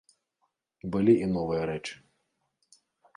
Былі і новыя рэчы.